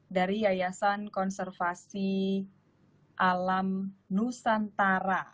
dari yayasan konservasi alam nusantara